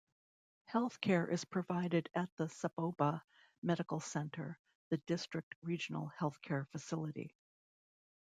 Health care is provided at the Saboba Medical Centre, the district regional healthcare facility.